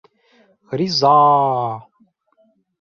— Риза-а-а!!!